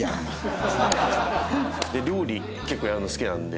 料理結構やるの好きなんで。